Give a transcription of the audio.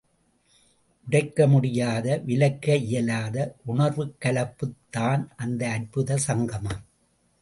உடைக்க முடியாத, விலக்க இயலாத உணர்வுக் கலப்புத் தான் அந்த அற்புத சங்கமம்.